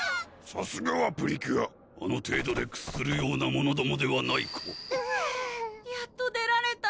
さすがはプリキュアあの程度でくっするような者どもではないかはぁやっと出られた！